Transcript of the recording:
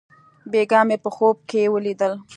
بېګاه مې په خوب کښې وليدل.